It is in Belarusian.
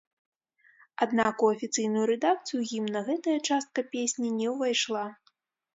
Аднак у афіцыйную рэдакцыю гімна гэтая частка песні не ўвайшла.